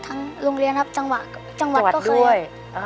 ทั้งโรงเรียนครับจังหวัดก็เคย